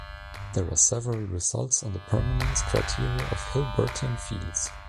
There are several results on the permanence criteria of Hilbertian fields.